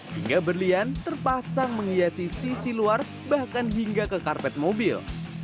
hingga berlian terpasang menghiasi sisi luar bahkan hingga ke karpet mobil